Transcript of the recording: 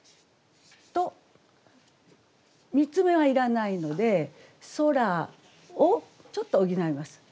「見つめ」はいらないので「空を」ちょっと補います。